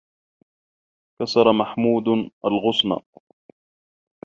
كَسَرَ مَحْمُودٌ الْغُصْنَ.